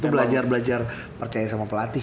belajar belajar percaya sama pelatih